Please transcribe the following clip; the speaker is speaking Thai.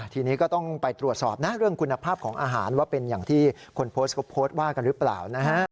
ทีนี้ก็ต้องไปตรวจสอบนะเรื่องคุณภาพของอาหารว่าเป็นอย่างที่คนโพสต์เขาโพสต์ว่ากันหรือเปล่านะฮะ